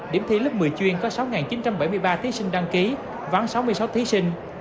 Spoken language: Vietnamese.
điểm thi lớp một mươi chuyên có sáu chín trăm bảy mươi ba thí sinh đăng ký ván sáu mươi sáu thí sinh